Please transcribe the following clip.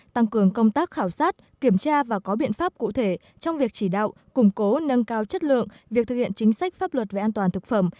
tăng cường công tác khảo sát kiểm tra và có biện pháp cụ thể trong việc chỉ đạo củng cố nâng cao chất lượng việc thực hiện chính sách pháp luật về an toàn thực phẩm